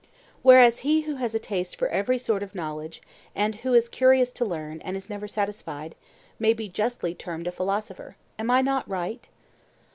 Whereas he who has a taste for every sort of knowledge and who is curious to learn and is never satisfied, may be justly termed a philosopher? Am I not right?